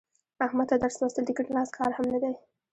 احمد ته درس لوستل د کیڼ لاس کار هم نه دی.